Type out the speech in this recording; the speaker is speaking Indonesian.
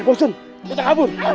eh bosan kita kabur